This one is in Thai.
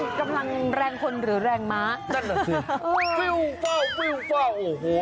นี่มันกำลังแรงคนหรือแรงม้านั่นน่ะสิฟิ้วฟ่าวฟิ้วฟ่าวโอ้โห